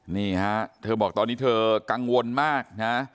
นี่ฮะเธอบอกตอนนี้เธอกังวลมากนะ